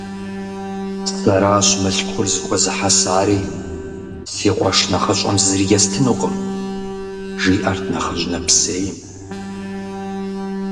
- Сэращ мылъкур зэхуэзыхьэсари, си къуэш нэхъыщӀэм зыри естынукъым, - жиӀэрт нэхъыжь нэпсейм.